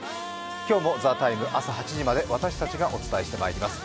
今日も「ＴＨＥＴＩＭＥ，」朝８時まで私たちがお伝えしていきます。